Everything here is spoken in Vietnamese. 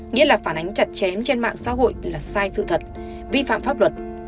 nghĩa là phản ánh chặt chém trên mạng xã hội là sai sự thật vi phạm pháp luật